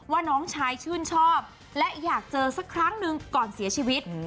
น้องชายชื่นชอบและอยากเจอสักครั้งหนึ่งก่อนเสียชีวิต